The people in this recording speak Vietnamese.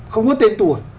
không có tên tuổi